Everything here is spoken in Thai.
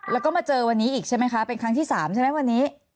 แล้วก็มาเจอวันนี้อีกใช่ไหมคะเป็นครั้งที่๓ใช่ไหมวันนี้